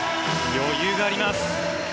余裕があります。